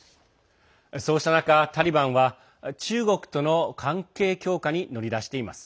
そうした中、タリバンは中国との関係強化に乗り出しています。